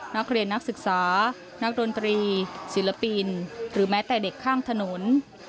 นักเรียนนักศึกษานักดนตรีศิลปินหรือแม้แต่เด็กข้างถนน